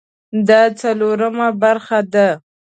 دا څلورمه برخه ده